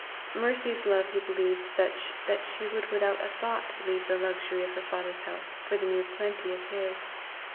Mercy's love he believed such that she would, without a thought, leave the luxury of her father's house for the mere plenty of his.